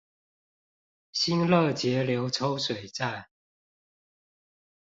新樂截流抽水站